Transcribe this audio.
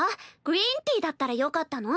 グリーンティーだったらよかったの？